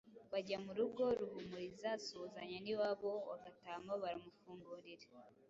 Bajya mu rugo Ruhumuriza asuhuzanya n’iwabo wa Gatama baramufungurira.